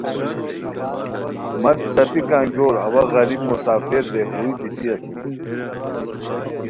مت ݰاپیک انگیور اوا غریب مسافر رے ہوئی دیتی اسور